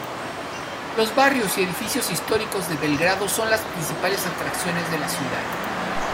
Los barrios y edificios históricos de Belgrado son las principales atracciones de la ciudad.